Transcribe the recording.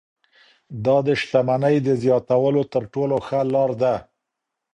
دا د شتمنۍ د زیاتولو تر ټولو ښه لار ده.